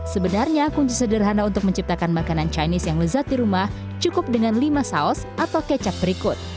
sebenarnya kunci sederhana untuk menciptakan makanan chinese yang lezat di rumah cukup dengan lima saus atau kecap berikut